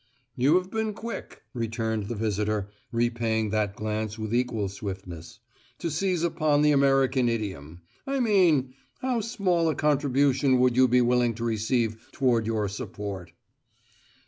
"You have been quick," returned the visitor, repaying that glance with equal swiftness, "to seize upon the American idiom. I mean: How small a contribution would you be willing to receive toward your support!"